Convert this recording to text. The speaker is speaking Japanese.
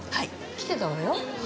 来てたわよ。